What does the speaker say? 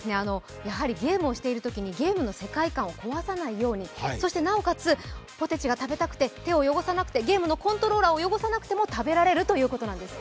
ゲームをしているときに、ゲームの世界観を壊さないためにそしてなおかつ、ポテチが食べたくて、手を汚さなくてゲームのコントローラーを汚さなくても食べられるということなんです。